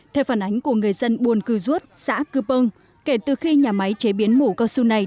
theo phản ánh của người dân bôn cư chuốt xã cư pơng kể từ khi nhà máy chế biến mũ cao su này